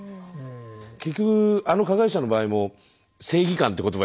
結局あの加害者の場合も正義感って言葉